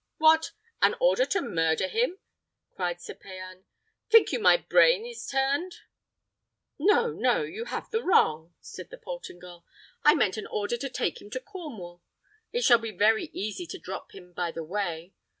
"What! an order to murder him!" cried Sir Payan. "Think you my brain is turned?" "No, no! You have the wrong," said the Portingal; "I mean an order to take him to Cornwall. It shall be very easy to drop him by the way.